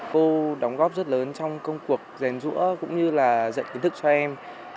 cô đóng góp rất lớn trong công cuộc rèn rũa cũng như là dạy kiến thức cho em